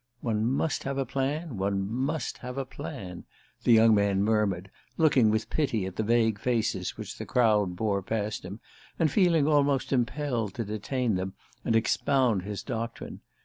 "One must have a plan one must have a plan," the young man murmured, looking with pity at the vague faces which the crowd bore past him, and feeling almost impelled to detain them and expound his doctrine.